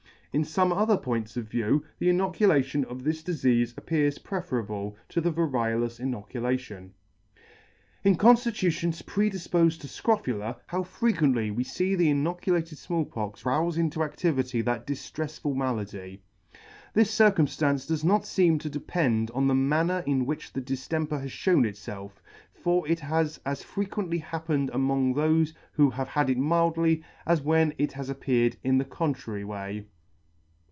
In fome other points of view, the inoculation* of this difeafe appears preferable to the variolous inoculation. I 2 111, r 60 ] In conflitutions predifpofed to fcrophula, how frequently we fee the inoculated Small Pox roufe into activity that dilfrefsful malady. This circumftance does not feem to depend on the manner in which the diflemper has fhewn itfelf, for it has as frequently happened among thofe who have had it mildly, as when it has appeared in the contrary way.